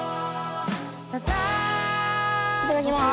いただきます。